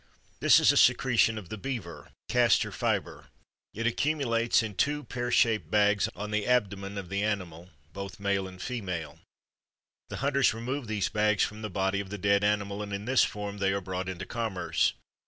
This is a secretion of the beaver (Castor fiber); it accumulates in two pear shaped bags on the abdomen of the animal, both male and female. The hunters remove these bags from the body of the dead animal and in this form they are brought into commerce.